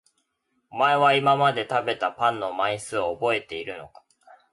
お前は今まで食べたパンの枚数を覚えているのか？